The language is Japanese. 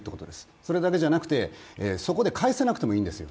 それだけじゃなくてそこで返せなくてもいいんですよ